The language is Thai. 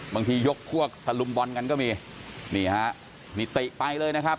บางทียกพวกทะลุมบอลกันก็มีนี่ฮะนี่ติ๊กไปเลยนะครับ